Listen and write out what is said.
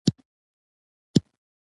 ملګري یې پوښتنه وکړه چې یږې درته څه وویل.